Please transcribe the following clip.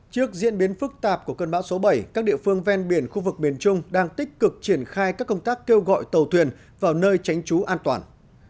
trước diễn biến phức tạp của cơn bão số bảy các địa phương ven biển khu vực miền trung đang tích cực triển khai các công tác kêu gọi tàu thuyền vào nơi tránh trú an toàn